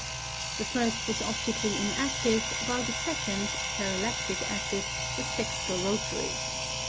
The first was optically inactive, while the sec ond (paralactic acid) was dextro rotary.